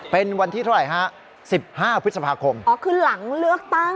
เป็นวันที่เท่าไหร่ฮะสิบห้าพฤษภาคมอ๋อคือหลังเลือกตั้ง